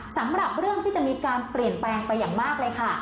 สำหรับเรื่องที่จะมีการเปลี่ยนแปลงไปอย่างมากเลยค่ะ